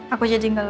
aku jadi gak lalu